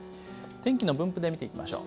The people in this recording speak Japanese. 天気の分布で見ていきましょう。